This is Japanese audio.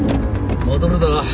戻るぞ。